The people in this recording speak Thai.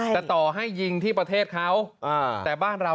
แต่ต่อให้ยิงที่ประเทศเค้า